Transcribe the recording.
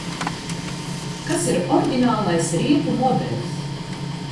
Kas ir oriģinālais riepu modelis?